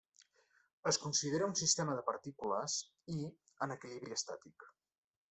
Es considera un sistema de partícules, i, en equilibri estàtic.